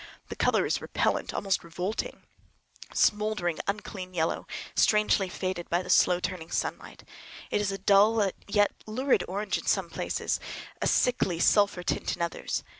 The color is repellant, almost revolting; a smouldering, unclean yellow, strangely faded by the slow turning sunlight. It is a dull yet lurid orange in some places, a sickly sulphur tint in others.